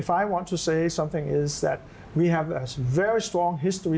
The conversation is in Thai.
ผมอยากพูดว่าเรามีเกี่ยวกันเรื่อยแต่ผมอยู่ที่ไทย